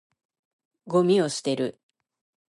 ゴミを捨てる。